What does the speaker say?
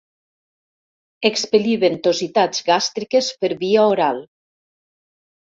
Expel·lir ventositats gàstriques per via oral.